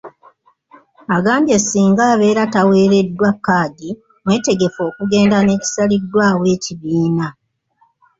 Agambye singa abeera taweereddwa kkaadi, mwetegefu okugenda n'ekisaliddwawo ekibiina.